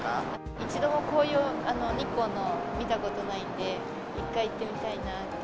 一度も紅葉、日光の見たことないので、一回行ってみたいなって。